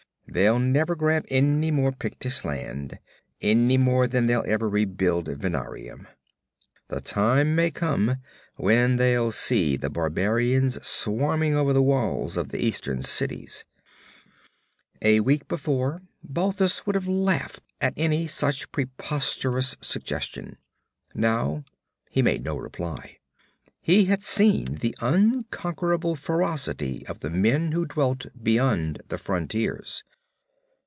They'll never grab any more Pictish land, any more than they'll ever rebuild Venarium. The time may come when they'll see the barbarians swarming over the walls of the Eastern cities!' A week before, Balthus would have laughed at any such preposterous suggestion. Now he made no reply. He had seen the unconquerable ferocity of the men who dwelt beyond the frontiers.